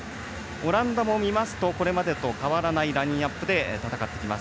オランダも見ますとこれまでと変わらないラインナップで戦ってきます。